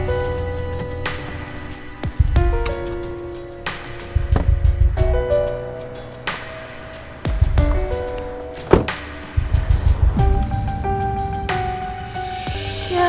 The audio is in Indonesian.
apa tadi pak